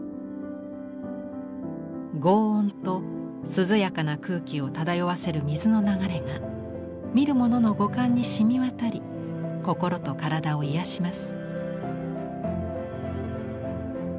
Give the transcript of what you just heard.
ごう音と涼やかな空気を漂わせる水の流れが見る者の五感にしみ渡り心と体を癒やします。